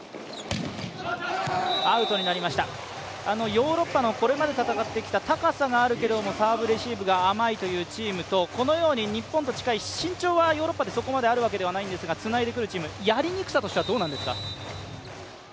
ヨーロッパの、これまで戦ってきた高さがあるけれどもサーブレシーブが甘いというチームとこのように、日本と近い身長はヨーロッパでそこまであるわけではないんですがつないでくるチーム、やりにくさとしてはどうなんですか？